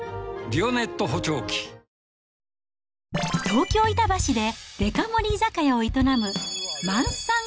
東京・板橋で、デカ盛り居酒屋を営むマンスさん